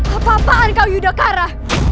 apa apaan kau yudhokara